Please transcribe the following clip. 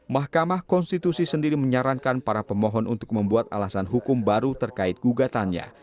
mahkamah konstitusi sendiri menyarankan para pemohon untuk membuat alasan hukum baru terkait gugatannya